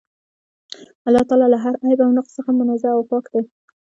الله تعالی له هر عيب او نُقص څخه منزَّه او پاك دی